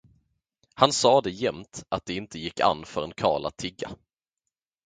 Han sade jämt att det inte gick an för en karl att tigga.